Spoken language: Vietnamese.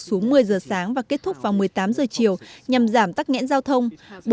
xuống một mươi giờ sáng và kết thúc vào một mươi tám giờ chiều nhằm giảm tắc nghẽn giao thông